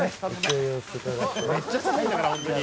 「めっちゃ寒いんだから本当に」